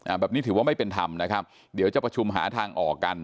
แบบนี้ถือว่าไม่เป็นธรรมนะครับเดี๋ยวจะประชุมหาทางออกกัน